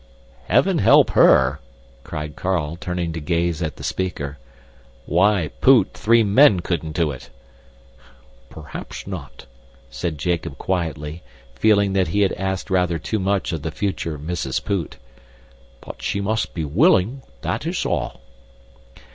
"Heaven help her!" cried Carl, turning to gaze at the speaker. "Why, Poot, three MEN couldn't do it!" "Perhaps not," said Jacob quietly, feeling that he had asked rather too much of the future Mrs. Poot. "But she must be WILLING, that is all."